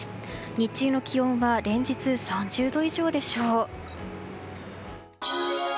日中の気温は連日３０度以上でしょう。